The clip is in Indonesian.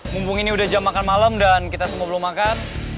mumpung ini udah jam makan malam dan kita semua belum makan